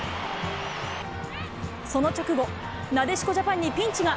その直後、なでしこジャパンにピンチが。